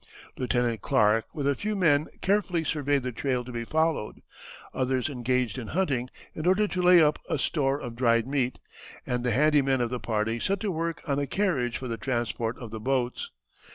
Lieut. Clark with a few men carefully surveyed the trail to be followed, others engaged in hunting in order to lay up a store of dried meat, and the handy men of the party set to work on a carriage for the transport of the boats.